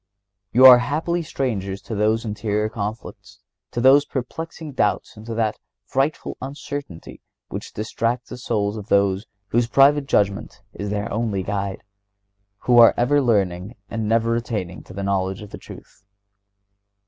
You are happily strangers to those interior conflicts, to those perplexing doubts and to that frightful uncertainty which distracts the souls of those whose private judgment is their only guide, who are "ever learning and never attaining to the knowledge of the truth."